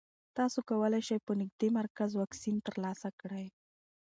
تاسو کولی شئ په نږدې مرکز واکسین ترلاسه کړئ.